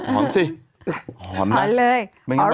หอมเสียหอมเลยหอม